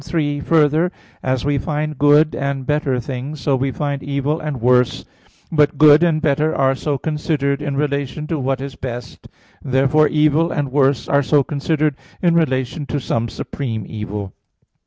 3: Further, as we find good and better things, so we find evil and worse. But good and better are so considered in relation to what is best. Therefore evil and worse are so considered in relation to some supreme evil.